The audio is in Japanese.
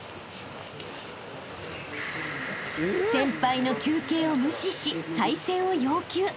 ［先輩の休憩を無視し再戦を要求］